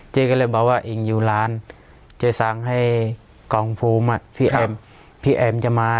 เจ๊ก็เลยบอกว่าเองอยู่ร้านเจ๊สั่งให้กองภูมิพี่แอมพี่แอมจะมา